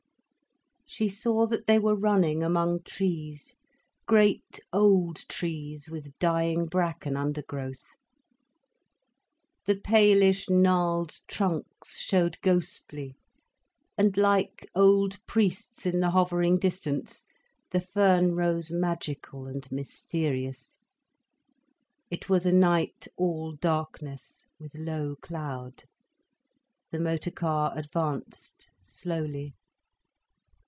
She saw that they were running among trees—great old trees with dying bracken undergrowth. The palish, gnarled trunks showed ghostly, and like old priests in the hovering distance, the fern rose magical and mysterious. It was a night all darkness, with low cloud. The motor car advanced slowly.